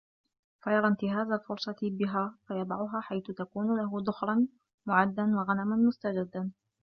فَيَرَى انْتِهَازَ الْفُرْصَةِ بِهَا فَيَضَعُهَا حَيْثُ تَكُونُ لَهُ ذُخْرًا مُعَدًّا وَغَنَمًا مُسْتَجَدًّا